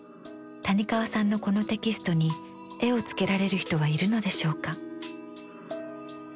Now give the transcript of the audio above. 谷川さんのこのテキストに絵をつけられる人はいるのでしょうか？